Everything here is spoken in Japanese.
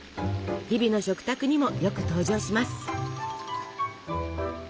日々の食卓にもよく登場します。